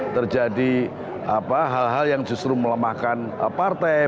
terjadi hal hal yang justru melemahkan partai